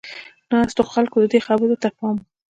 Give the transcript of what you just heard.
ناستو خلکو د ده خبرو ته پام و.